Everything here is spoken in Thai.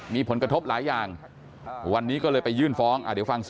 มีผลกระทบหลายอย่างวันนี้ก็เลยไปยื่นฟ้อง